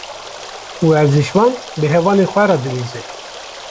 Werzişvan bi hevalên xwe re dilîze.